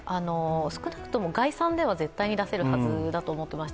少なくとも概算では絶対に出せるはずだと思っています。